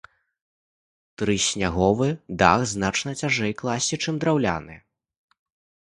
Трысняговы дах значна цяжэй класці, чым драўляны.